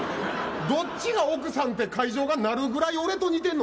どっちが奥さんって会場がなるぐらい俺と似てんの？